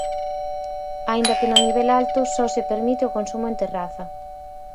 Aínda que no nivel alto só se permite o consumo en terraza.